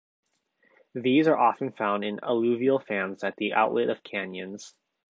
These are often found in alluvial fans at the outlet of canyons.